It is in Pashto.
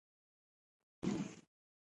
دا قشر د محافظوي قشر په حیث عمل کوي.